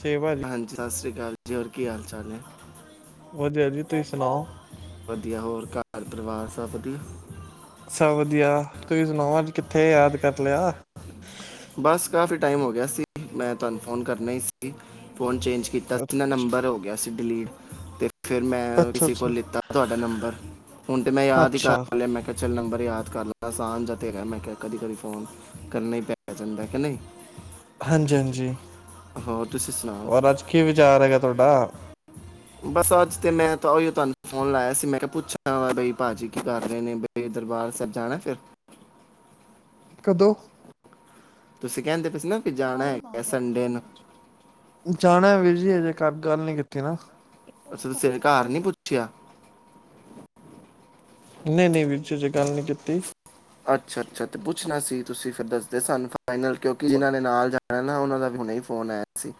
ਛੇ ਭਾਜੀ ਹਾਂਜੀ ਸਤਿ ਸ੍ਰੀ ਅਕਾਲ ਜੀ। ਹੋ ਕੀ ਹਾਲ ਚਾਲ ਨੇ? ਵਧੀਆ ਜੀ, ਤੁਸੀਂ ਸੁਣਾਓ? ਵਧੀਆ, ਹੋਰ ਘਰ ਪਰਿਵਾਰ ਸਭ ਵਧੀਆ? ਸਭ ਵਧੀਆ, ਤੁਸੀਂ ਸੁਣਾਓ। ਅੱਜ ਕਿੱਥੇ ਯਾਦ ਕਰ ਲਿਆ? ਬਸ ਕਾਫੀ ਟਾਈਮ ਹੋ ਗਿਆ ਸੀ, ਮੈਂ ਤੁਹਾਨੂੰ ਫ਼ੋਨ ਕਰਨਾ ਹੀ ਸੀ। ਫੋਨ ਚੇਂਜ ਕੀਤਾ ਸੀ ਨਾ। ਨੰਬਰ ਹੋ ਗਿਆ ਸੀ ਡਿਲੀਟ ਤੇ ਫੇਰ ਮੈਂ ਅੱਛਾ ਕਿਸੇ ਕੋਲ ਅੱਛਾ ਲਿੱਤਾ ਤੁਹਾਡਾ ਨੰਬਰ ਹੁਣ ਤੇ ਮੈਂ ਯਾਦ ਹੀ ਕਰ ਅੱਛਾ ਲਿਆ। ਮੈਂ ਕਿਹਾ ਚ ਨੰਬਰ ਯਾਦ ਕਰ ਲਵਾਂ, ਅਸਾਨ ਜਾ ਤੇ ਹੈ। ਮੈਂ ਕਿਹਾ ਕਦੀ ਕਦੀ ਫੋਨ ਕਰਨ ਹੀ ਪੈ ਜਾਂਦਾ ਕਿ ਨਹੀਂ? ਹਾਂਜੀ-ਹਾਂਜੀ, ਹੋਰ ਤੁਸੀਂ ਸੁਣਾਓ ਹੋਰ ਅੱਜ ਕੀ ਵਿਚਾਰ ਹੈਗਾ ਤੁਹਾਡਾ? ਬਸ ਅੱਜ ਤੇ ਮੈਂ ਤਾਂ ਉਹੀ ਤੁਹਾਨੂੰ ਫੋਨ ਲਾਇਆ ਸੀ। ਮੈਂ ਕਿਹਾ ਪੁੱਛਾਂ ਬਈ ਭਾਜੀ ਕੀ ਕਰ ਰਹੇ ਨੇ। ਬਈ ਦਰਬਾਰ ਸਾਹਿਬ ਜਾਣਾ ਫਿਰ? ਕਦੋਂ ਤੁਸੀਂ ਕਹਿੰਦੇ ਪਏ ਸੀ ਨਾ ਕਿ ਜਾਣਾ ਹੈਗਾ ਸੰਡੇ ਨੂੰ ਜਾਣਾ ਵੀਰ ਜੀ ਅਜੇ ਘਰ ਗੱਲ ਨੀ ਕੀਤੀ। [unintelligible] ਅੱਛਾ ਤੁਸੀਂ ਹਜੇ ਘਰ ਨੀ ਪੁੱਛਿਆ? ਨਹੀਂ-ਨਹੀਂ ਵੀਰ ਜੀ, ਹਜੇ ਗੱਲ ਨਹੀਂ ਕੀਤੀ। ਅੱਛਾ-ਅੱਛਾ, ਤੇ ਪੁੱਛਣਾ ਸੀ। ਤੁਸੀਂ ਫਿਰ ਦੱਸਦੇ ਸਾਨੂੰ ਫਾਈਨਲ। ਕਿਉਂਕਿ ਜਿਨਾਂ ਨੇ ਨਾਲ ਜਾਣਾ ਨਾ, ਉਹਨਾਂ ਦਾ ਵੀ ਹੁਣੇ ਫੋਨ ਆਇਆ ਸੀ।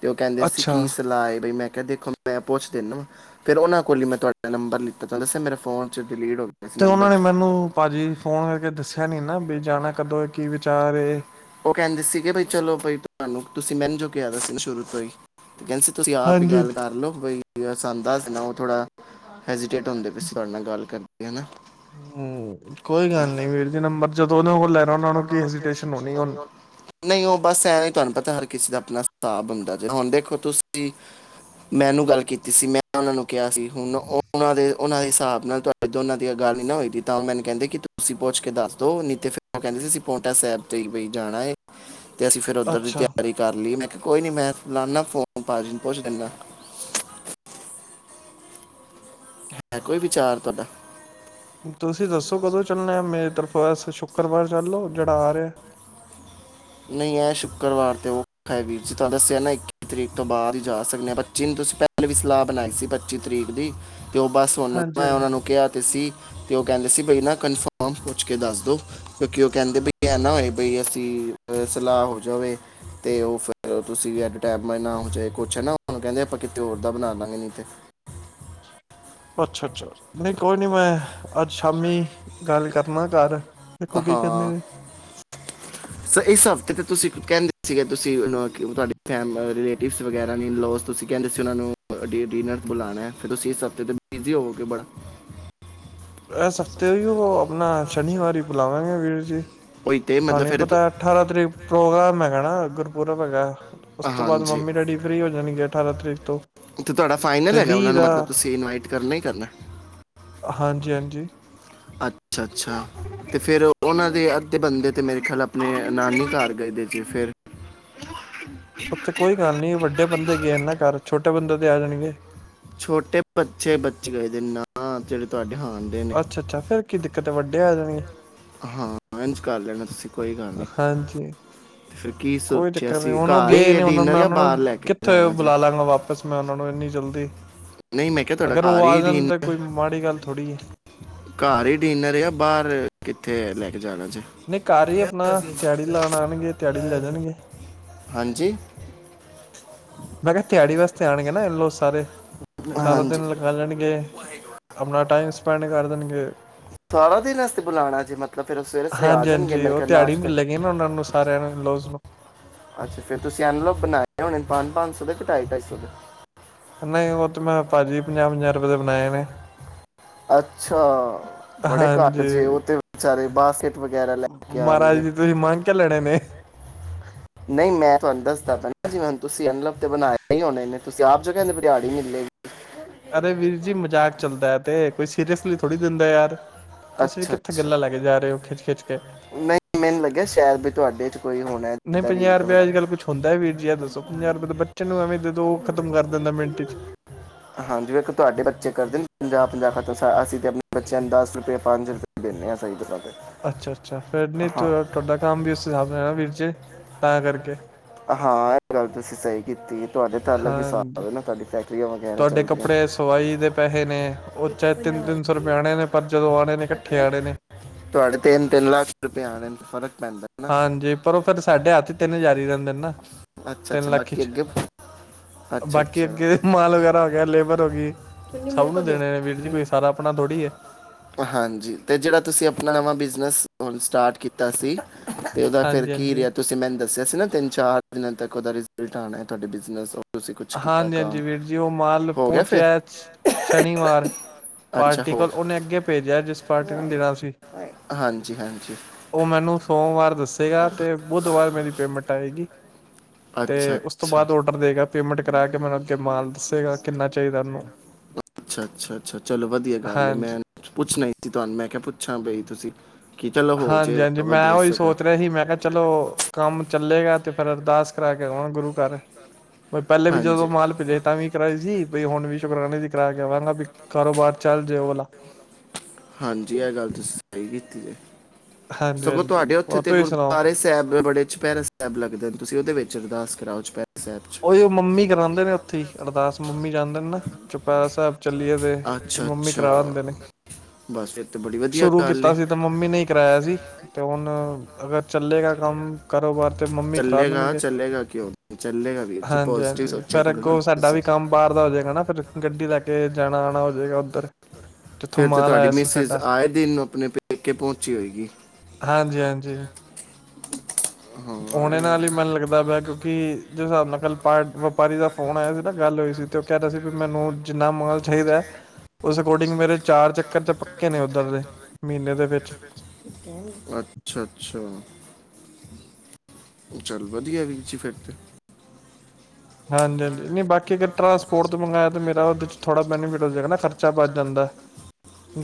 ਤੇ ਉਹ ਕਹਿੰਦੇ ਸੀ, ਅੱਛਾ ਕੀ ਸਲਾਹ ਏ। ਬਈ ਮੈਂ ਕਿਹਾ ਦੇਖ ਮੈਂ ਪੁੱਛ ਦੇਨਾ ਫੇਰ ਉਹਨਾਂ ਕੋਲ ਹੀ ਮੈਂ ਤੁਹਾਡਾ ਨੰਬਰ ਲਿੱਤਾ, ਤੁਹਾਨੂੰ ਦੱਸਿਆ ਮੇਰੇ ਫੋਨ ਚ ਡਿਲੀਟ ਹੋ ਗਿਆ ਸੀ ਤੇ ਉਹਨਾਂ ਨੰਬਰ ਨੇ 'ਚ ਮੈਨੂੰ ਭਾਜੀ ਫੋਨ ਕਰਕੇ ਦੱਸਿਆ ਨੀ ਨਾ ਵੀ ਜਾਣਾ ਕਦੋਂ ਏ, ਕੀ ਵਿਚਾ ਚਾਰੇ ਉਹ ਕਹਿੰਦੇ ਸੀਗੇ ਬਈ ਚਲੋ ਬਈ ਤੁਹਾਨੂੰ ਤੁਸੀਂ ਮੈਨੂੰ ਜੋ ਕਿਹਾ ਦਾ ਸੀ ਸ਼ੁਰੂ ਤੋਂ ਹੀ। ਤੇ ਕਹਿੰਦੇ ਸੀ, ਤੁਸੀਂ ਆਪ ਹੀ ਹਾਂਜੀ ਗੱਲ ਕਰ ਲਓ। ਬਈ ਸਾਨੂੰ ਦੱਸ ਦੇਣਾ ਓਹ ਥੋੜਾ ਹ ਜੀ ਕਪੜੇ ਧੋਂਦੇ ਪਏ ਸੀ, ਤੁਹਾਡੇ ਨਾਲ ਗੱਲ ਕ ਰਦੀ ਆ ਨਾ ਹੂੰ ਕੋਈ ਗੱਲ ਨੀ ਵੀਰ ਜੀ, ਨੰਬਰ ਜਦੋਂ ਉਹਨਾਂ ਕੋਲੋਂ ਲੈਣਾ, ਉਹਨਾਂ ਨੂੰ ਕਹੀ ਅਸੀਂ- - ਨਹੀਂ ਉਹ ਬਸ ਐਵੇਂ ਤੁਹਾ ਪਤਾ ਹਰ ਕਿਸੇ ਦਾ ਆਪਣਾ ਹਿਸਾਬ ਹੁੰਦਾ। ਜਿਵੇਂ ਹੁਣ ਦੇਖੋ ਤੁਸੀਂ ਮੈਨੂੰ ਗੱਲ ਕੀਤੀ ਸੀ, ਮੈਂ ਉਹਨਾਂ ਨੂੰ ਕਿਹਾ ਸੀ, ਹੁਣ ਓਹ, ਉਹਨਾ ਦੇ ਓਹਨਾ ਹਿਸਾਬ ਨਾਲ ਤੁਹਾਡੀ ਦੋਂਨਾਂ ਦੀ ਗੱਲ ਨੀ ਨਾ ਹੋਈ ਦਈ, ਤਾਂ ਮੈਂਨੂੰ ਕਹਿੰਦੇ ਤੁਸੀਂ ਪੁੱਛ ਕੇ ਦੱਸ ਦੋ ਨਹੀਂ ਤੇ ਫੇਰ ਉਹ ਕਹਿੰਦੇ ਸੀ ਅਸੀ ਪਹੁੰ [unintelligible] ਸਾਹਿਬ ਤੇ ਬਈ ਜਾਣਾ ਏ। ਤੇ ਅਸੀਂ ਫੇਰ ਉੱਧਰ ਦੀ ਅੱਛਾ ਤਿਆਰੀ ਕਰ ਲਈਏ ਨਾ। ਕੋਈ ਨੀ ਮੈਂ ਲ਼ਾਨਾ ਫੋਨ ਭਾਜੀ ਨੂੰ ਪੁੱਛ ਦਿੰਦਾ ਹੈ ਕੋਈ ਵਿਚਾਰ ਤੁਹਾਡਾ ਤੁਸੀਂ ਦੱਸੋ ਕਦੋਂ ਚੱਲਣੇ ਆ ਮੇਰੇ ਤਰਫਾ ਬਸ ਸ਼ੁੱਕਰਵਾਰ ਚੱਲ ਲੋ ਜਿਹੜਾ ਆ ਰਿਹਾ ਨਹੀਂ ਐ ਸ਼ੁੱਕਰਵਾਰ ਤੇ ਉਹ ਹੈ ਵੀਰ ਜੀ ਤੁਹਾਨੂੰ ਦੱਸਿਆ ਨਾ ਇੱਕ ਤਰੀਕ ਤੋਂ ਬਾਅਦ ਹੀ ਜਾ ਸਕਦੇ ਹਾਂ ਜਿਹਨ ਤੁਸੀਂ, ਪਹਿਲੇ ਵੀ ਸਲਾਹ ਬਣਾਈ ਸੀ, ਪੱਚੀ ਤਰੀਕ ਦੀ। ਅਤੇ, ਉਹ ਬਸ ਉ ਹੁਣ ਹਾਂਜੀ ਮੈਂ ਉਹਨਾਂ ਹਾਂਜੀ। ਨੂੰ ਕਿਹਾ, ਅਤੇ ਸੀ ਤੇ ਉਹ ਕਹਿੰਦੇ ਸੀ, ਬ ਨਾ ਕਨਫਰਮ ਪੁੱਛ ਕੇ ਦੱਸ ਦੋ, ਕਿਉਂਕਿ ਉਹ ਕਹਿੰਦੇ ਬ ਐ ਨਾ ਹੋਏ ਬਈ ਅਸੀਂ ਸਲਾਹ ਹੋ ਜਾਵੇ ਤੇ, ਉਹ ਫਿਰ ਤੁਸੀਂ ਵੀ ਐਡੈਮੈਂਟ ਨਾ ਹੋ ਜਾਵੇ ਕੁਛ ਹੈ, ਨਾ ਹ ਕਹਿੰਦੇ ਆਪਾਂ ਕਿਤੇ ਹੋਰ ਦਾ ਬਣਾ ਲਾਂਗੇ ਨੀ ਤੇ ਅੱਛਾ- ਅੱਛਾ ਨਹੀਂ ਕੋਈ ਨੀ ''ਮੈਂ''ਅੱਜ ਸ਼ਾਮੀ ਗੱਲ ਕਰਨਾ ਘਰ। ਦੇਖੋ ਕੀ ਕਹਿੰਦੇ ਹਾਂ। ਨੇ ਤੇ ਇਹ ਸਭ ਅਤੇ ਤੁਸੀਂ ਕਹਿੰਦੇ ਸੀਗੇ, ਤੁਸੀਂ ਤੁਹਾਡੇ ਫੈਮ ਰਿਲੇਟਿਵਸ ਵਗੈਰਾ ਲੌ ਤੁਸੀਂ ਕਹਿੰਦੇ ਸੀ, ਉਹਨਾਂ ਨੂੰ ਡ ਡਿਨਰ ਬੁਲਾਉਣਾ, ਫਿਰ ਤੁਸੀਂ ਇਸ ਹਫ਼ਤੇ ' ਬਿਜ਼ੀ ਹੋਵੋਗੇ ਬੜਾ ਐਸ ਹਫ਼ਤੇ ਹੀ ੳਹ ਆਪ ਸ਼ਨੀਵਾਰੀ ਬੁਲਾਵਾਂਗੇ ਵੀਰ ਜੀ। ਉਹੀ ਤੇ ਮਤਲਬ ਤੁਹਾਨੂੰ ਫਿਰ ਤੁ- ਪਤਾ ਅਠਾਰਾਂ ਤਰੀਕ ਪ੍ਰੋਗਰਾਮ ਹੈਗਾ ਹਿਣਾ ਗੁਰ ਪੂਰਬ ਹੈਗਾ ਉਸ ਤੋਂ ਬਾਅਦ, ਹਾਂਜੀ ਮੰਮੀ ਡੈਡੀ ਫ੍ਰੀ ਹੋ ਜਾਣਗੇ ਅਠਾਰਾਂ ਤਰੀਕ ਤੋਂ, ਤੇ ਤੁਹਾਡਾ ਤੇ ਵੀਹ ਦਾ ਕੀ ਕਰਨਾ? ਹਾਂਜੀ-ਹਾਂਜੀ। ਅੱਛਾ-ਅੱਛਾ। ਤੇ ਫਿਰ ਉਹਨਾਂ ਦੇ ਅੱਧੇ ਬੰਦੇ ਤੇ, ਮੇਰੇ ਖਿਆਲ ਆਪਣੇ ਨਾਨੀ ਘਰ ਗਏ ਦੇ ਜੀ ਫਿਰ ਉੱਥੇ ਕੋਈ ਗੱਲ ਨੀ, ਵੱਡੇ ਬੰਦੇ ਗਏ ਇਹਨਾਂ ਘਰ ਛੋਟੇ ਬੰਦੇ ਆ ਜਾਣਗੇ। ਛੋਟੇ ਬੱਚ-ਬੱਚੇ ਗਏ ਦੇ ਨਾ, ਜਿਹੜੇ ਤੁਹਾਡੇ ਹਾਂ ਦੇ ਨੇ ਅੱਛਾ-ਅੱਛਾ ਫੇਰ ਕੀ ਦਿੱਕਤ ਏ, ਵੱਡੇ ਆ ਜਾਣਗੇ। ਹਾਂ, ਐਂਜ ਕਰ ਲੈਣਾ ਤੁਸੀ ਕੋਈ ਕਰਨ ਹਾਂਜੀ। ਕੋਈ ਚੱਕਰ ਨੀ ਹੁਣ ਉਹ ਗਏ ਨ, ਹੁਣ ਡਿਨਰ ਮੈਂ ਜਾਂ ਉਹਨਾਂ ਬਾਹਰ ਨੂੰ ਲੈ ਕੇ ਕਿੱਥੇ ਜਾਣਾ ਜੇ ਬੁਲਾ ਲਾਂਗਾ ਵਾਪਿਸ, ਮੈਂ ਉਹਨਾਂ ਨੂੰ ਇੰਨੀ ਜਲਦੀ ਨਹੀਂ ਮੈਂ ਕਿਹਾ ਤੁਹਾਡਾ ਅਗਰ ਉਹ ਘਰ ਆ ਹੀ ਜਾਣ ਤਾਂ, ਡਿਨਰ ਕੋਈ ਮਾੜੀ ਗੱਲ ਥੋੜ੍ਹੀ ਏ। ਘਰ ਹੀ ਡਿਨਰ ਆ, ਬਾਹਰ ਕਿੱਥੇ ਲੈ ਜਾਣਾ ਜੇ ਨਹੀਂ ਘਰ ਹੀ ਆਪਣਾ ਦਿਹਾੜੀ ਲਾਉਣ ਆਉਣਗੇ ਦਿਹਾੜੀ ਲੈ ਜਾਣਗੇ ਹਾਂਜੀ ਮੈਂ, ਕਿਹਾ ਤਿਹਾੜੀ ਵਾਸਤੇ ਆਣਗੇ ਨਾ, ਇਂਹ ਲੋਕ ਸਾਰੇ, ਸਾਰਾ ਹਾਂਜੀ ਦਿਨ ਲਗਾ ਲੈਣਗੇ ਆਪਣਾ ਟਾਈਮ ਸਪੈਂਡ ਕਰ ਦੇਣਗੇ ਸਾਰਾ ਦਿਨ ਵਸਤੇ ਬੁਲਾਉਣਾ ਜੇ, ਮਤਲਬ ਫਿਰ ਉਹ ਸਵੇਰੇ ਸਵੇਰੇ ਆ ਹਾਂਜੀ- ਜਾਣਗੇ ਹਾਂਜੀ ਮੇਰੇ ਉਹ ਕੋਲ ਤਿਹਾੜੀ ਨਾਸ਼ਤੇ ਕਰ ਮਿਲਲੇਗੀ ਨਾ, ਉਹਨਾਂ ਨੂੰ ਸਾਰਿਆਂ ਨੂੰ ਲੋਜ਼ਮ ਅੱਛਾ, ਫੇਰ ਤੁਸੀਂ ਅਣਲਵ ਬਣਾਏ ਹੋਣੇ, ਪੰਜ-ਪੰਜ ਸੌ ਦੇ, ਕੇ ਢਾਈ- ਢਾਈ ਸੌ ਦੇ? ਨਹੀਂ ਓਹ ਤੇ, ਮੈਂ ਭਾਜੀ ਪੰਜਾਹ- ਪੰਜਾਹ ਰੁਪੇ ਦੇ ਬਣਾਏ ਨੇ। ਅੱਛਾ। ਬੜੇ ਘੱਟ ਹਾਂਜੀ। ਜੇ ਉਹ ਤੇ ਵਿਚਾਰੇ ਬਾਸਕਟ ਵਗੈਰਾ ਲੈ ਕੇ ਮਹਾਰਾਜ ਆਣਗੇ ਦੀ ਤੁਸੀਂ ਮੰਗ ਕੇ ਲੈਣੇ ਨੇ। ਨਹੀਂ, ਮੈਂ ਤੁਹਾਨੂੰ ਦੱਸਦਾ ਪੈਣਾ ਜਿਵੇ ਹੁਣ ਤੁਸੀ ਅਣਲਵ ਤੇ ਬਣਾਏ ਹੀ ਹੋਣੇ ਨੇ ਤੁਸੀਂ ਆਪ ਜੋ ਕੈੰਦੇ ਪੇਔ ਦਿਆੜੀ ਮਿਲੇਗੀ। ਅਰੇ ਵੀਰ ਜੀ ਮਜ਼ਾਕ ਚੱਲਦੈ ਐਤੇ ਕੋਈ ਸੀਰੀਅਸਲੀ ਥ ਥੋੜ੍ਹੀ ਦਿੰਦਾ ਯਾਰ। ਤੁਸੀਂ ਅੱਛਾ ਕਿੱਥੇ ਅੱਛਾ, ਗੱਲਾਂ ਲੈ ਕੇ ਜਾ ਰਹੇ ਹੋ ਖਿੱਚ-ਖਿੱਚ ਕੇ ਨਹੀਂ ਮੈਨੂੰ ਲੱਗਿਆ ਸੈ਼ਦ ਬੀ ਤੁਹਾਡੇ ਚ ਕੋਈ ਹੋਣਾ ਹੈ ਨਹੀਂ ਜਿੱਦਾਂ ਪੰਜਾਹ ਰੀਤ ਰੁਪੇਆ ਅੱਜ ਵਗੈਰਾ ਕੱਲ੍ਹ ਕੁਛ ਹੁੰਦਾ ਹੈ ਵੀਰ ਜੀ ਐਹ ਦੱਸੋ, ਪੰਜਾਹ ਰੁਪਏ ਤਾਂ ਬੱਚੇ ਨੂੰ ਐਵੇਂ ਦੇਦੋ ਓਹ ਖ਼ਤਮ ਕਰ ਦਿੰਦੈ ਮਿੰਟ ਚ। ਪੰਜਾਹ ਖਤੋ ਸਾ ਅਸੀ ਤੇ ਆਪਣੇ ਬੱਚਿਆਂ ਨੂੰ ਦਸ ਰੁਪਏ ਪੰਜ ਰੁਪਏ ਦਿੰਣੇ ਆਂ ਸਹੀੇ ਦਸਾ ਤੇ। ਅੱਛਾ-ਅੱਛਾ ਫੇਰ ਨੀ ਹਾਂ ਤੁਐ ਤਾਡਾ ਕੰਮ ਬੀ ਇਸ ਹਿਸਾਬ ਨਾਲ ਨਾ ਹੋਐ ਵੀਰਜੀ ਤਾਂ ਕਰਕੇ। ਹਾਂ ਇਹ ਗੱਲ ਤੁਸੀਂ ਸਹੀ ਕੀਤੀ। ਤੁਹਾਡੇ ਤੇ ਅਲੱਗ ਹਾਂਜੀ ਹਿਸਾਬ ਏਨਾ ਤੁਹਾਡੀ ਫੈਕ ਤੁਹਾਡੇ ਕੱਪੜੇ ਸਵਾਈ ਦੇ ਪੈਹੇ ਨੇ ਓਹ ਚਾਹੇ ਤਿੰਨ ਤਿੰਨ ਸੌ ਰੁਪੇ ਆਣੇ ਨੇ ਪਰ ਜਦੋਂ ਆਣੇ ਨੇ ਇਕੱਠੇ ਆਣੇ ਨੇ ਤੁਹਾਡੇ ਤਿੰਨ ਤਿੰਨ ਲੱਖ ਰੁਪੇ ਆਣੇਣ ਫਰਕ ਪੈਂਦਾ। ਨਾ ਹਾਂਜੀ, ਪਰ ਔ ਫੇਰ ਸਾਡੇ ਹੱਥ ਤਿੰਨ ਹਜਾਰ ਈ ਰੈੰਦੇ ਨੇ ਨਾ। ਅਛਾ-ਅਛਾ ਤਿੰਨ ਲੱਖ ਬਾਕੀ ਚ ਅਗੇ, ਬਾਕੀ ਅੱਛਾ-ਅੱਛਾ, ਅੱਗੇ ਮਾਲ ਵਗੈਰਾ ਹੋ ਗਿਆ ਲੇਬਰ ਹੋ ਗਈ ਸਭ ਨੂੰ ਦੇਣੇ ਨੇ ਵੀਰ ਜੀ ਕੋਈ ਸਾਰਾ ਆਪਣਾ ਥੋੜ੍ਹੀ ਹੈ ਹਾਂਜੀ ਤੇ ਜੇੜ੍ਹਾ ਤੁਸੀਂ ਅਪਣਾ ਨਵਾਂ ਬਿਜਨਸ ਹੁਣ ਸਟਾਰਟ ਕੀਤਾ ਸੀ। ਤੇ ਔਦਾ ਫੇਰ ਕੀ ਹਾਂਜੀ-ਹਾਂਜੀ ਰਿਆ? ਤੁਸੀਂ ਮੈਨੂੰ ਦੱਸਿਆ ਸੀ ਨਾ ਤਿੰਨ ਚਾਰ ਏਕ ਓਦਾ ਰਿਜ਼ਲਟ ਆਣੈ ਤੁਹਾਡੇ ਬਿਜ਼ਨਸ ਔ ਹਾਂਜੀ ਹਾਂਜੀ ਵੀਰ ਜੀ, ਓਹ ਮਾਲ ਹੋ ਗਿਆ ਫਿਰ ਪਹੁੰਚਿਐ ਸ਼ਨੀਵਾਰ ਅੱਛਾ ਪਾਰਟੀ ਹੋ ਕੋਲ, ਔਨੇ ਅੱਗੇ ਭੇਜਿਆ ਜਿਸ ਪਾਰਟੀ ਨੇ ਦੇਣਾ ਸੀ। ਹਾਂਜੀ ਹਾਂਜੀ ਓਹ ਮੈਨੂੰ ਸੋਮਵਾਰ ਦੱਸੇਗਾ ਤੇ ਬੁੱਧਵਾਰ ਮੇਰੀ ਪੇਮੈਂਟ ਆਏਗੀ। ਅੱਛਾ ਤੇ ਉਸ ਤੋਂ ਅੱਛਾ ਬਾਦ ਔਡਰ ਦੇਗਾ। ਤੇ ਕਰਾ ਕੇ ਮੈਨੂੰ ਅੱਗੇ ਮਾਲ ਦੱਸੇਗਾ, ਕਿੰਨਾ ਚਾਈਦੈ ਉਨੂੰ, ਅੱਛਾ ਅੱਛਾ ਅੱਛਾ ਚਲੋ ਵਧੀਆ ਹਾਂਜੀ। ਕਿ ਪੁੱਛਾਂ ਬਈ ਤੁਸੀਂ ਕੀ ਚਲੋ ਹੋ ਹਾਂਜੀ ਹਾਂਜੀ ਜਾਏਗਾ ਮੈਂ ਵਧੀਆ ਓਹੀ ਸਗੋਂ ਸੋਚ ਰਿਹਾ ਸੀ, ਮੈਂ ਕੈ ਚਲੋ ਕੰਮ ਚੱਲੇਗਾ ਤੇ ਫੇਰ ਅਰਦਾਸ ਕਰਾ ਕੇ ਆਵਾਂ ਗੁਰੂ ਘਰ। ਮੈ ਪੈਲੇ ਵੀ ਜਦੋਂ ਹਾਂਜੀ ਮਾਲ ਭੇਜਿਆ ਸੀ ਤਾਂ ਵੀ ਕਰਾਈ ਸੀ, ਬਈ ਹੁਣ ਵੀ ਸ਼ੁਕਰਾਨੇ ਦੀ ਕਰਾ ਕੇ ਆਵਾਂਗਾ ਬਈ ਕਾਰੋਬਾਰ ਚੱਲ ਜੇ ਓਹ ਵਾਲਾ। ਹਾਂਜੀ ਇਹ ਗੱਲ ਤੁਸੀਂ ਸਹੀ ਕੀਤੀ ਜੇ ਹਾਂਜੀ ਸਗੋਂ ਹਾਂਜੀ ਤੁਹਾਡੇ ਔਥੇ ਹੋਰ ਤੇ ਤੁਸੀਂ ਸੁਣਾਓ ਗੁਰਦੁਆਰੇ ਸੈਬ ਬੜੇ ਛ ਪੈਰਾ ਸਾਬ ਲੱਗਦੇ ਨੇ, ਤੁਸੀਂ ਉਹਦੇ ਵਿੱਚ ਅਰਦਾਸ ਕਰਾਓ ਚੁਪੈਰਾ ਸਾਹਿਬ ਚ ਉਹੀ ਉਹ ਮੰਮੀ ਕਰਾਉਂਦੇ ਨੇ ਉੱਥੇ ਹੀ ਅਰਦਾਸ ਮੰਮੀ ਜਾਂਦੇ ਨੇ ਨਾ ਪੈਰਾ ਸਾਹਿਬ ਚੱਲੀਏ ਤੇ ਤੇ ਅੱਛਾ ਮੰਮੀ ਕਰਾ ਦਿੰਦੇ ਅੱਛਾ ਨੇ। ਬਸ ਫਿਰ ਤੇ ਬੜੀ ਵਧੀਆ ਸ਼ੁਰੂ ਗੱਲ ਕੀਤਾ ਏ ਸੀ ਤੇ ਮੰਮੀ ਨੇ ਕਰਾਇਆ ਸੀ ਤੇ ਹੁਣ ਅਗਰ ਚੱਲੇਗਾ ਕੰਮ ਕਾਰੋਬਾਰ ਤੇ ਮੰਮੀ ਕਰਾ ਚੱਲੇਗਾ ਦੇਣਗੇ। ਚੱਲੇਗਾ ਕਿਉਂ ਨਹੀਂ? ਚੱਲੇਗਾ ਵੀਰ ਜੀ ਹਾਂਜੀ ਪੋਜ਼ਿਟਿਵ ਹਾਂਜੀ ਸੋਚਿਆ ਫੇਿਰ ਕਰੋ ਨਾ ਅੱਗੋਂ ਸਾਡਾ ਤੁਸੀਂ। ਵੀ ਕੰਮ ਬਾਹਰ ਦਾ ਹੋ ਜਾਏਗਾ ਨਾ ਫਿਰ ਗੱਡੀ ਲੈ ਕੇ ਕੇ ਜਾਣਾ ਆਣਾ ਹੋਜਏਗਾ ਉੱਧਰ ਜਿੱਥੋਂ ਫਿਰ ਤੇ ਮਾਲ ਤੁਹਾਡੀ ਆਇਆ ਸੀ ਮਿਸਿਸ ਸਾਡਾ ਆਏ ਦਿਨ ਆਪਣੇ ਪੇਕੇ ਪਹੁੰਚੀ ਹੋਏਗੀ ਹਾਂਜੀ ਹਾਂਜੀ ਜੀ ਹਾਂ ਆਣੇ ਨਾਲ ਹੀ ਐ- ਮੈਨੂੰ ਲੱਗਦਾ ਦਾ ਕਿਉਂਕਿ ਜਿਸ ਹਿਸਾਬ ਨਾਲ ਕੱਲ ਵਪਾਰੀ ਦਾ ਫੋਨ ਆਇਆ ਸੀ ਨਾ ਗੱਲ ਹੋਈ ਸੀ ਤੇ ਉਹ ਕਹਿ ਰਿਹਾ ਸੀ ਵੀ ਮੈਨੂੰ ਜਿੰਨਾ ਮਗਲ ਚਾਹੀਦਾ ਹੈ ਉਸ ਅਕੋਰਡਿੰਗ ਮੇਰੇ ਚਾਰ ਚੱਕਰ ਚ ਪੱਕੇ ਨੇ ਉਓਧਰ ਦੇ ਮਹੀਨੇ ਦੇ ਵਿੱਚ ਅੱਛਾ ਅੱਛਾ ਚੱਲ ਵਧੀਆ ਵੀਰੀ ਫਿਰ ਤੇ ਹਾਂਜੀ ਹਾਂਜੀ ਨਹੀਂ ਬਾਕੀ ਅਰ ਟਰਾਂਸਪੋਰਟ ਤੋਂ ਮੰਗਵਾਆ ਤਾਂ ਮੇਰਾ ਉਹਦੇ ਚ ਥੋੜ੍ਹਾ ਬੈਨੀਫਿਟ ਹੋ ਜਾਗਾ ਨਾ ਖਰਚਾ ਵੱਧ ਜਾਂਦਾ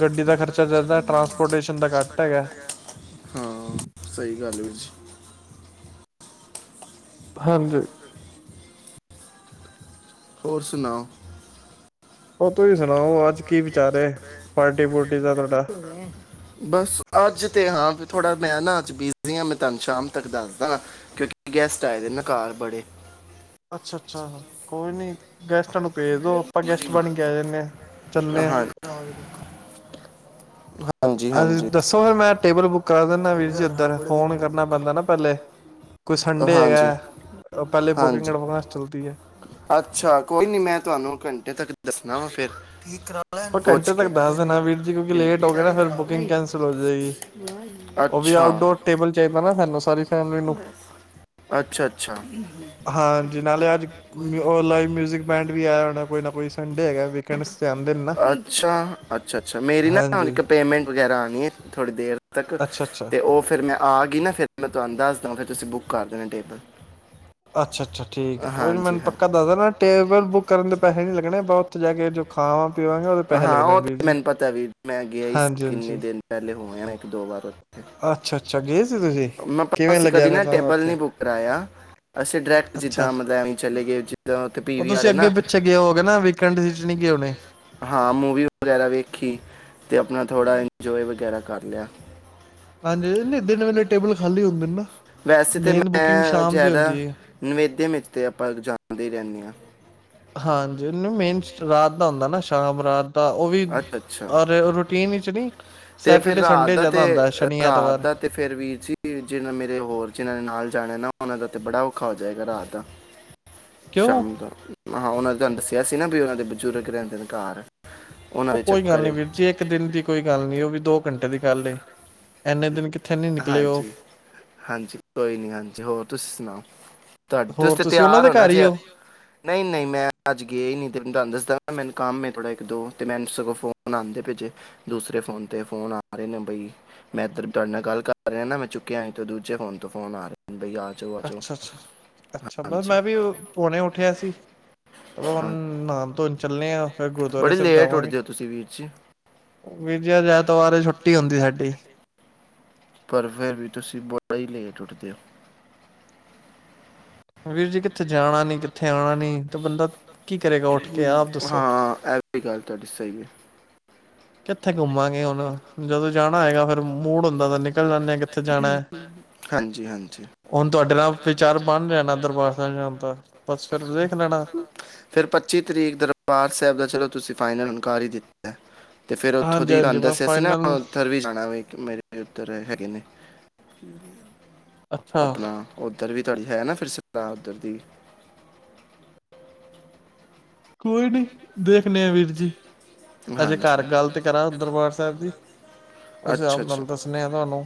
ਗੱਡੀ ਦਾ ਖਰਚਾ ਜ਼ਿਆਦਾ ਟਰਾਂਸਪੋਰਟੇਸ਼ਨ ਦਾ ਘੱਟ ਹੈਗਾ ਹਾਂ ਸਹੀ ਗੱਲ ਵੀ ਜੀ ਹਾਂਜੀ ਹੋਰ ਸੁਣਾਓ ਉਹ ਤੁਸੀਂ ਸੁਣਾਓ ਅੱਜ ਕੀ ਵਿਚਾਰ ਪਾਰਟੀ ਪੁਰਟੀ ਦਾ ਤੁਹਾਡਾ ਥੋੜ੍ਹਾ ਮੈਂ ਨਾ ਅੱਜ ਬਿਜ਼ੀ ਹਾਂ ਮੈਂ ਤੁਹਾਨੂੰ ਸ਼ਾਮ ਤੱਕ ਦੱਸਦਾ ਨਾ ਕਿਉਂਕਿ ਗੈਸਟ ਆਏ ਦੇ ਨਕਾਰ ਬੜੇ ਅੱਛਾ ਅੱਛਾ ਕੋਈ ਨੀ ਗੈਸਟਰਾਂ ਨੂੰ ਭੇਜ ਦੋ ਆਪਾਂ ਗੈਸਟ ਬਣ ਕੇ ਆ ਜਾਂਦੇ ਹਾਂ ਚੱਲੇ ਹਾਂ ਹਾਂਜੀ ਅ ਹਾਂਜੀ ਦੱਸੋ ਫੇਿਰ ਮੈਂ ਟੇਬਲ ਬੁੱਕ ਕਰਾ ਦਿੰਦਾ ਵੀਰ ਜੀ ਉੱਧਰ ਫੋਨ ਕਰਨਾ ਪੈਂਦਾ ਨਾ ਪਹਿਲੇ ਕੋਈ ਸੰਡੇ ਹਾਂਜੀ ਹੈਗਾ ਪਹਿਲੇ ਹਾਂਜੀ ਬੁਕਿੰਗਸ ਚਲਦੀ ਹੈ ਅੱਛਾ ਕੋਈ ਨਹੀਂ ਮੈਂ ਤੁਹਾਨੂੰ ਘੰਟੇ ਤੱਕ ਦੱਸਣਾ ਵਾ ਫਿਰ ਪੁੱਛ ਘੰਟੇ ਤ ਕੇ ਦ ਦੇਣਾ ਵੀਰ ਜੀ ਕਿਉਂਕਿ ਲੇਟ ਹੋ ਗਏ ਨਾ ਫਿਰ ਕਿੰਨਾ ਬੁਕਿੰਗ ਕੈਂਸਲ ਹੋ ਜਾਏਗੀ ਉਹ ਵੀ ਅੱਛਾ ਆਊਟ ਹੋ ਟੇਬਲ ਚੇਪ ਹ ਨਾ ਸਾਨੂੰ ਸਾਰੀ ਫੈਮਲੀ ਨੂੰ ਅੱਛਾ ਅੱਛਾ ਹਾਂ ਜਿਨਾਂ ਨੇ ਅੱਜ ਲਾਈਵ ਮਿਊਜਿਕ ਬੈਂਡ ਵੀ ਆਇਆ ਹੋਣਾ ਕੋਈ ਨਾ ਕੋਈ ਸੰਡੇ ਹੈਗਾ ਵੀਕੈਂਡਸ ਚ ਆਂਦੇ ਨੇ ਨਾ ਅੱਛਾ ਅੱਛਾ ਅੱਛਾ ਮੇਰੀ ਨਾ ਹਾਂਜੀ ਇੱਕ ਪੇਮੈਂਟ ਵਗੈਰਾ ਆਉਣੀ ਹੈ ਥੋੜੀ ਦੇਰ ਤੱਕ ਅੱਛਾ-ਅੱਛਾ। ਅਤੇ ਉਹ ਫਿਰ ਮੈਂ ਆ ਗਈ ਨਾ ਫਿਰ ਮੈਂ ਤੁਹਾਨੂੰ ਦੱਸ ਦਵ ਫਿਰ ਤੁਸੀਂ ਬੁੱਕ ਕਰ ਦੇਣਾ ਟੇਬਲ ਅੱਛਾ ਅੱਛਾ ਠੀਕ ਹੈ ਕੋਈ ਨੀ ਹਾਂਜੀ ਮੈਨੂੰ ਹਾਂ ਪੱਕਾ ਦੱਸਦਾ ਨਾ ਟੇਬਲ ਬੁੱਕ ਕਰਨ ਦੇ ਪੈਸੇ ਨਹੀਂ ਲੱਗਣੇ ਬ ਉੱਥੇ ਜਾ ਕੇ ਜੋ ਖਾ ਵਾ ਹਾਂ ਉਹ ਤੇ ਮੈਨੂੰ ਪਤਾ ਵੀ ਮੈਂ ਗਿਆ ਹੀ ਕਿੰਨੇ ਹਾਂਜੀ-ਹਾਂਜੀ। ਦਿਨ ਪਹਿਲੇ ਹੋ ਇੱਕ ਦੋ ਵਾਰਥ ਅੱਛਾ-ਅੱਛਾ ਗਏ ਸੀ ਤੁਸੀਂ ਕਿਵੇਂ ਮੈਂਸੀ ਲੱਗਿਆ ਕਦੇ ਫਿਰ ਨਾ ਤੁਹਾਨੂੰ ਟੇਬਲ ਉੱਥੇ ਨ ਬੁੱਕ ਕਰਵਾਆ ਅਸੀਂ ਡਾਇਰੈਕਟ ਅੱਛਾ। ਜਿੱਦਾਂ ਮਲਬਸੀਂ ਚਲੇ ਗਏ ਜਿੱਦਾਂ ਉ ਫ ਉਹ ਵੀ ਤੁਸੀਂ ਆਾਰੇ ਨਾ ਅੱਗੇ ਪਿੱਛੇ ਗਏ ਹੋਗੇ ਨਾ ਵੀਕਐਂਡ ਚ ਨੀ ਗਏ ਹੋਣੇ। ਹਾਂ ਮੂਵੀ ਵਗੈਰਾ ਵੇਖੀ ਅਤੇ ਆਪਣਾ ਥੋੜ੍ਹਾ ਇੰਜੋਏ ਵਗੈਰਾ ਕਰ ਲਿਆ ਹਾਂਜੀ ਨਹੀਂ ਦਿਨ ਵੇਲੇ ਟੇਬਲ ਖਾਲੀ ਹੁੰਦੇ ਨੇ ਨਾ ਵੈਸੇ ਤਾਂ ਮੇਨ ਬੁਕਿੰਗ ਮੈਂ ਸ਼ਾਮ ਦੀ ਜ਼ਿਆਦਾ ਹੁੰਦੀ ਹੈ। ਨਿਵੇਦਿਆਂ ਵਿੱਚ ਤੇ ਆਪਾਂ ਜਾਣਦੇ ਰਹਿੰਦੇ ਹਾਂ ਹਾਂਜੀ ਇਹਨੂੰ ਮੇਨ ਰਾਤ ਦਾ ਹੁੰਦਾ ਨਾ ਸ਼ਾਮ ਰਾਤ ਤਾਂ ਉਹ ਵੀ ਅੱਛਾ ਅੱਛਾ ਰੂਟੀਨ ਵਿਚ ਨਹੀਂੀ ਤੇ ਫੇਰ ਰਾਤ ਦਾ ਤੇ ਰਾਤ ਦਾ ਤੇ ਫੇਰ ਵੀਰ ਜੀ ਜਿਹਨਾਂ ਮੇਰੇ ਹੋਰ ਜਿਹਨਾਂ ਨੇ ਨਾਲ ਜਾ। ਖਣਾ ਨਾ ਹੋਣਾ ਦਾ ਤੇ ਬੜਾ ਔਖਾ ਹੋ ਜਾਏਗਾ ਰਾਤ ਦਾ। ਕਿਉਂ ਸ਼ਾਮ ਦਾ ਹਾਂ [unintelligible] ਤੇ ਅਸੀਂ ਨਾ ਵੀ ਉਹਨਾਂ ਦੇ ਬਜ਼ੁਰਗ ਰਹਿੰਦੇ ਨੇ ਘਰ। ਉਹਨਾਂ ਉਹ ਦੇ ਕੋਈ ਗੱਲ ਚੱਕਰ ਨੀ ਵੀਰ ਵਿੱਚ। ਜੀ ਇੱਕ ਦਿਨ ਦੀ ਕੋਈ ਗੱਲ ਨੀ ਉਹ ਵੀ ਦੋ। ਘੰਟੇ ਦੀ ਗੱਲ ਏ ਐਨੇ ਦਿਨ ਕਿ। ਹਾਂਜੀ ਹਾਂਜੀ ਕੋਈ ਨੀ ਹਾਂਜੀ ਹੋਰ ਤੁਸੀਂ ਸੁਣਾਓ ਤੁਹਾਡ ਤੁਸੀਂ ਹੋਰ ਤੇ ਉਹਨਾਂ ਤਿਆਰ ਦੇ ਹੋ ਨਾ ਘਰ ਹੀ ਜੇ ਨਹੀਂ ਨਹੀਂ ਮੈਂ ਅੱਜ ਗਿਆ ਹੀ ਨੀ ਤੇ। ਤੁਹਾਨੂੰ ਦੱਸਦਾ ਮੈਨੂੰ ਕੰਮ ਏ ਥੋੜਾ ਇੱਕ ਦੋ ਤੇ ਮੈਨੂੰ ਸਗੋਂ ਫੋਨ ਆਉਂਦੇੇ ਪਾਏ ਜੇ ਦੂਸਰੇ ਫੋਨ ਤੇ ਫੋਨ ਆ ਰਹੇ ਨੇ ਬਈ ਮੈਂ ਇੱਧਰ ਤੁਹਾਡੇ ਨਾਲ ਗੱਲ। ਕਰ ਰਿਹਾ ਨਾ ਮੈਂ ਚੁੱਕਿਆ ਸੀ ਦੂਜੇ ਫੋਨ ਤੋਂ ਫੋਨ ਆ ਰਿਹਾ ਯਾਰ। ਅੱਛਾ ਅੱਛਾ ਅੱਛਾ ਬਸ ਮੈਂ ਵੀ ਹੁਣੇ ਉੱਠਿਆ ਸੀ ਤੇ ਹੁਣ ਹਾਂ ਨਾਹਨ ਧੋਨ ਚਲਿਆ। ਬੜੀ ਲੇਟ ਉੱਠ ਦੇ ਓ ਤੁਸੀਂ ਵੀਰ ਜੀ। ਵੀਰਜੀ ਅੱਜ ਐਤਵਾਰ ਹੈ ਛੁੱਟੀ ਹੁੰਦੀ ਸਾਡੀ। ਪਰ ਫਿਰ ਵੀ ਤੁਸੀਂ ਬੜਾ ਹੀ ਲੇਟ ਉੱਠਦੇ ਹੋ। ਵੀਰ ਜੀ ਕਿੱਥੇ ਜਾਣਾ ਨੀ ਕਿੱਥੇ। ਇੱਥੇ ਆਉਣਾ ਨੀ ਤੇ ਬੰਦਾ ਕੀ ਕਰੇਗਾ ਉੱਠ ਕੇ ਆਪ ਦੱਸੋ। ਹਾਂ ਇਹ ਵੀ ਗੱਲ ਤੁਹਾਡੀ ਸਹੀ ਹੈ ਕਿੱਥੇ ਘੁੰਮਾਂਗੇ ਹੁਣ ਜਦੋਂ ਜਾਣਾ ਹੈਗਾ ਫਿਰ। ਮੂਡ ਹੁੰਦਾ ਤਾਂ ਨਿਕਲ ਜਾਂਦੇ ਆ ਕਿੱਥੇ ਜਾਣਾ ਹੈ। ਹਾਂਜੀ ਹਾਂਜੀ ਹੁਣ ਤੁਹਾਡੇ ਨਾਲ ਵਿਚਾਰ ਬਣ ਜਾਣਾ ਦਰਬਾਰ ਸਾਹਿਬ ਜਾਣ ਦਾ ਬਸ ਫਿਰ ਦੇਖ ਲੈਣਾ ਫਿਰ ਪੱਚੀ ਤਰੀਕ ਦਰਬਾਰ ਸਾਹਿਬ ਦਾ ਚਲੋ। ਤੁਸੀਂ ਫਾਈਨਲ ਹੁਣ ਕਰ ਹੀ ਦਿੱਤਾ। ਤੇ ਫੇਰ ਉੱਥੋਂ ਹਾਂਜੀ ਦੀ ਹਾਂਜੀ ਤੁਹਾਨੂੰ ਬਸ ਦੱਸਿਆ ਸੀ ਨਾ ਫਾਈਨਲ ਉੱਥਰ ਵੀ ਜਾਣਾ ਮੇ। ਕਰ ਰੇ ਹੈਗੇ ਨੇ। ਅੱਛਾ ਆਪਣਾ ਉੱਧਰ ਵੀ। ਤੁਹਾਡੀ ਹੈ ਨਾ ਫਿਰ ਸ ਉੱਧਰ ਦੀ ਕੋਈ ਨੀ ਦੇਖਣੇ ਆ ਵੀਰ ਜੀ। ਅੱਜੇ ਹਾਂਜੀ ਘਰ ਗੱਲ ਤੇ ਕਰਾਂ ਦਰਬਾਰ ਸਾਹਿਬ ਦੀ ਉਸ ਅੱਛਾ ਹਿਸਾਬ ਅੱਛਾ ਨਾਲ ਦੱਸਣੇ ਆ ਤੁਹਾਨੂੰ।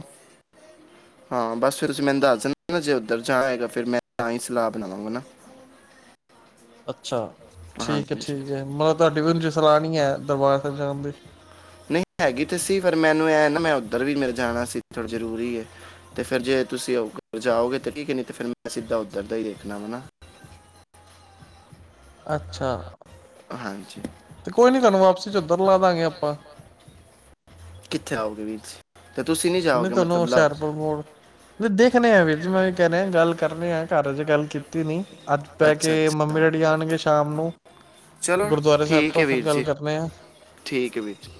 ਧਰ ਜਾਏਗਾ ਫਿਰ ਮੈਂ ਤਾਂ ਹੀ ਸਲਾਹ ਬਣਾਵਾਂਗਾ ਨਾ। ਅੱਛਾ। ਠੀਕ ਹੈ ਹਾਂਜੀ ਠੀਕ ਹੈ ਮਤਲਬ ਤੁਹਾਡੀ ਵੀ ਉਂਝ ਸਲਾਹ ਨੀ ਹੈ ਦਰਬਾਰ ਸਾਹਿਬ ਜਾਣ ਦੀ। ਨਹੀਂ ਹੈਗੀ ਤੇ ਸੀ ਪਰ ਮੈਨੂੰ ਐ ਨਾ ਮੈਂ ਉੱਧਰ ਵੀ ਮੇਰੇ ਜਾਣਾ ਸੀ ਥੋੜਾ ਜਰੂਰੀ ਹੈ ਤੇ ਫਿਰ ਜੇ ਤੁਸੀਂ ਜਾਓਗੇ ਤੇ ਠੀਕ ਐ ਨੀ ਤੇ ਫਿਰ ਮੈਂ ਸਿੱਧਾ ਉੱਧਰ ਦਾ ਹੀ ਦੇਖਣਾ ਵ ਨਾ। ਅੱਛਾ। ਹਾਂਜੀ। ਤੇ ਕੋਈ ਨੀ ਤੁਹਾਨੂੰ ਵਾਪਸੀ ਚ ਉਧਰ ਲਾ ਦਾਂਗੇ ਆਪਾਂ। ਕਿੱਥੇ ਆਓਗੇ ਵੀਰ ਜੀ। ਤੇ ਤੁਸੀਂ ਨਹੀਂ ਨਹੀ ਜਾਓਗੇ ਤੁਹਾਨੂੰ ਮਤਲਬ ਲਾਓ ਹੁਸ਼ਿਆਰਪੁਰ ਮੋੜ ਨਹੀ ਦੇਖਣੇ ਆ ਵੀਰ। ਜੀ ਮੈਂ ਐ ਕਹਿ ਰਿਹਾ ਗੱਲ ਕਰਨੇ ਆ ਘਰ ਅਜੇ ਗੱਲ ਕੀਤੀ ਨੀ। ਅੱਜ ਪੈ ਕੇ ਅੱਛਾ ਮੰਮੀ ਅੱਛਾ ਡੈਡ। ਬੀ ਆਣਗੇ ਸ਼ਾਮ ਨੂੰ। ਚਲੋ ਗੁਰਦੁਆਰੇ ਸਾਹਿਬ ਠੀਕ ਤੋਂ ਹੈ ਫਿਰ ਵੀਰ ਗੱਲ ਜੀ ਕਰਨੇ ਆ ਠੀਕ ਹੈ ਵੀਰ ਜੀ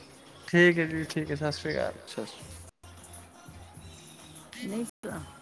।ਠੀਕ ਏ ਜੀ ਠੀਕ ਏ ਸਤਿ ਸ੍ਰੀ ਅਕਾਲ। ਸਤਿ ਸ਼੍ਰੀ [unintelligible]